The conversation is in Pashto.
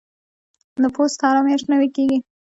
پوست هره میاشت نوي کیږي.